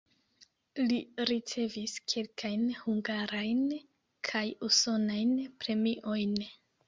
Li ricevis kelkajn hungarajn kaj usonajn premiojn.